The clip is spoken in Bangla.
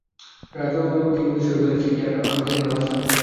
রাজলক্ষ্মী মৃদুস্বরে কহিলেন, সে কি আর আমি জানি না, বাছা।